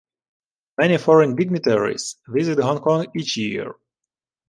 Many foreign dignitaries visit Hong Kong each year.